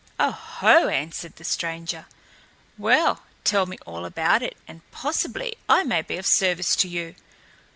"Oho!" answered the stranger. "Well, tell me all about it and possibly I may be of service to you.